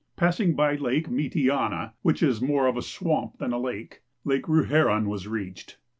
Passing by Lake Mitiana, which is more of a swami> than a lake, Lake Ruherou was reached.